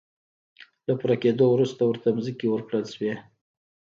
له پوره کېدو وروسته ورته ځمکې ورکړل شوې.